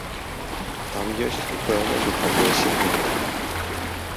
Там ёсць і пэўныя духавыя сегменты.